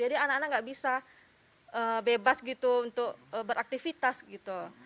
jadi anak anak enggak bisa bebas gitu untuk beraktivitas gitu